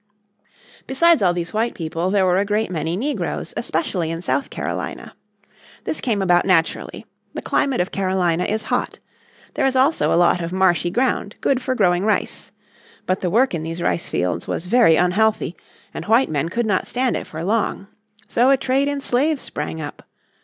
Besides all these white people there were a great many negroes especially in South Carolina. This came about naturally. The climate of Carolina is hot; there is also a lot of marshy ground good for growing rice. But the work in these rice fields was very unhealthy, and white men could not stand it for long. So a trade in slaves sprang up.